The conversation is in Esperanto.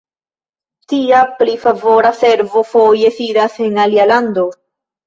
Tia pli favora servo foje sidas en alia lando.